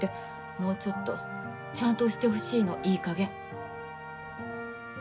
もうちょっとちゃんとしてほしいのいいかげん。